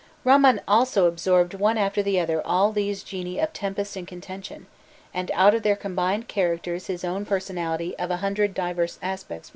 Bamman absorbed one after the other all these genii of tempest and contention, and out of their combined characters his own personality of a hundred diverse aspects was built up.